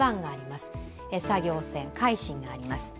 作業船「海進」があります。